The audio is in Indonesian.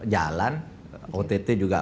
jalan ott juga